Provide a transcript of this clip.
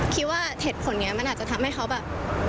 คิดว่าเหตุผลนี้มันอาจจะทำให้เขาแบบ